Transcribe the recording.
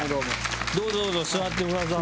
どうぞどうぞ座ってください。